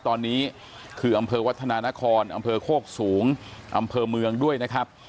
ตอนนี้คืออำเภอวัฒนานครอำเภอโคกสูงอำเภอเมืองด้วยนะครับ